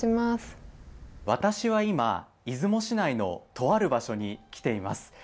私は今出雲市内のとある場所に来ています。